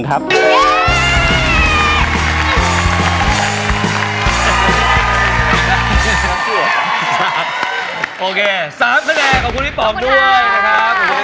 ๓ทดแกรกพบด้วย